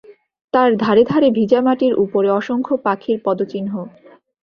তার ধারে ধারে ভিজা মাটির উপরে অসংখ্য পাখির পদচিহ্ন।